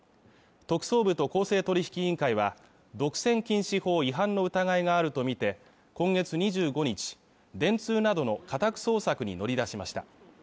特捜部と公正取引委員会は独占禁止法違反の疑いがあると見て今月２５日電通などの家宅捜索に乗り出しました